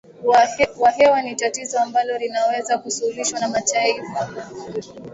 wa hewa ni tatizo ambalo linaweza kusuluhishwa na mataifa